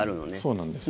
そうなんです。